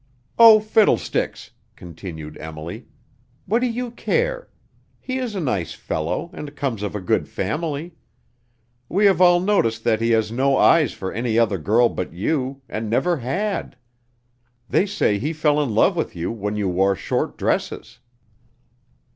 "Oh, fiddlesticks," continued Emily; "what do you care? He is a nice fellow, and comes of a good family. We have all noticed that he has no eyes for any other girl but you, and never had. They say he fell in love with you when you wore short dresses."